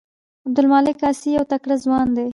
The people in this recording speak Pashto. عبدالمالک عاصي یو تکړه ځوان دی.